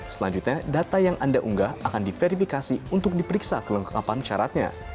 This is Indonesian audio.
selanjutnya data yang anda unggah akan diverifikasi untuk diperiksa kelengkapan syaratnya